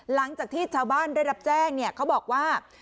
หลังจากที่ชาวบ้านได้รับแจ้งเนี่ยเขาบอกว่า